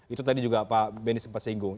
itu tadi juga pak benny sempat singgung